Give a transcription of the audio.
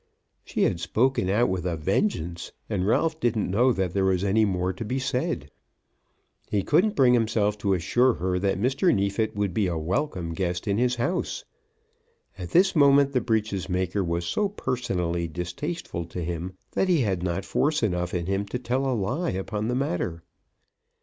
She had spoken out with a vengeance, and Ralph didn't know that there was any more to be said. He couldn't bring himself to assure her that Mr. Neefit would be a welcome guest in his house. At this moment the breeches maker was so personally distasteful to him that he had not force enough in him to tell a lie upon the matter.